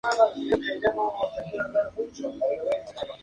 Se nombró al general Ramón González Valencia para esta misión.